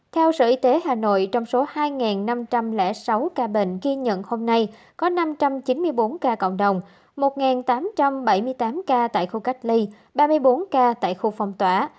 theo sở y tế hà nội trong số hai năm trăm linh sáu ca bệnh ghi nhận hôm nay có năm trăm chín mươi bốn ca cộng đồng một tám trăm bảy mươi tám ca tại khu cách ly ba mươi bốn ca tại khu phong tỏa